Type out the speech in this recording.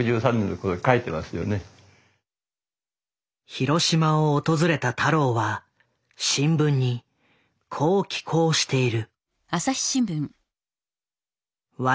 広島を訪れた太郎は新聞にこう寄稿している。